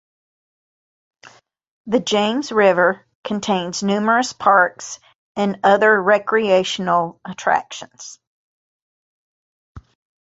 The James River contains numerous parks and other recreational attractions.